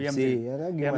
itu satu yang jadi masalah